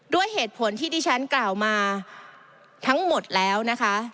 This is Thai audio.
ด้วยเหตุผลที่ดิฉันกล่าวมาทั้งหมดแล้วนะคะ